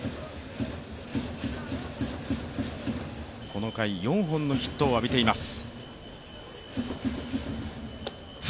この回４本のヒットを浴びています